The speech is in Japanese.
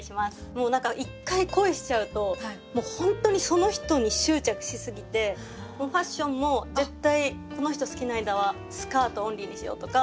もう何か１回恋しちゃうともう本当にその人に執着しすぎてファッションも絶対この人好きな間はスカートオンリーにしようとか。